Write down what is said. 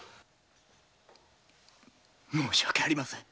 申し訳ありません。